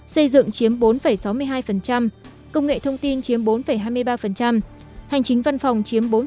xây dựng công nghệ thông tin hành chính văn phòng